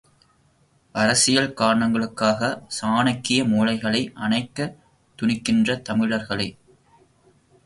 அரசியல் காரணங்களுக்காகச் சாணக்கிய மூளைகளை அணைக்கத் துணிகின்ற தமிழர்களே!